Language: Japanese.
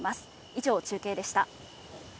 以上、中継でした。